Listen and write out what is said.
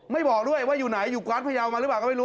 บอกด้วยว่าอยู่ไหนอยู่กวาดพยาวมาหรือเปล่าก็ไม่รู้